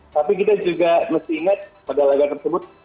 tapi kita juga mesti ingat pada laga tersebut